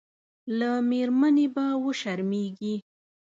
له مېرمنې به وشرمېږي.